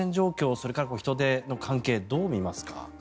それから人出の関係どう見ますか？